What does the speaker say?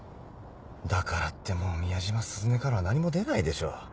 だからってもう宮島鈴音からは何も出ないでしょ。